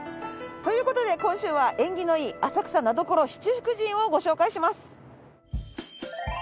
という事で今週は縁起のいい浅草名所七福神をご紹介します。